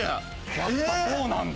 やっぱそうなんだ。